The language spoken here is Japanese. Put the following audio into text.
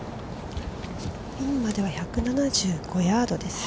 ◆ピンまでは１７５ヤードです。